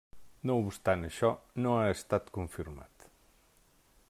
No obstant això, no ha estat confirmat.